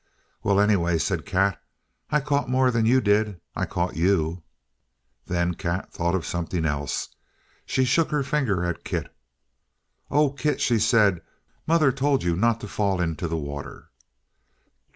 "Well, anyway," said Kat, "I caught more than you did. I caught you!" Then Kat thought of something else. She shook her finger at Kit. "Oh, Kit," she said, "mother told you not to fall into the water!"